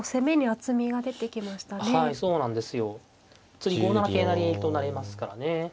次５七桂成と成れますからね。